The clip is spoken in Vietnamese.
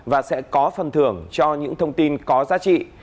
và sẽ có phần thưởng cho những thông tin có giá trị